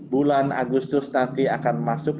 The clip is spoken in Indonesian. bulan agustus nanti akan masuk